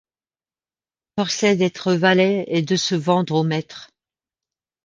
Forcés d'être-valets et de se vendre au maître